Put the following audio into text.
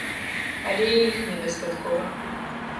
Але і іх не дастаткова.